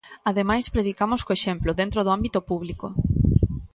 Ademais, predicamos co exemplo, dentro do ámbito público.